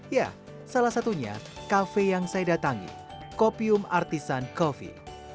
ya salah satunya kafe yang saya datangi kopium artisan coffee